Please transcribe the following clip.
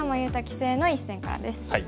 棋聖の一戦からです。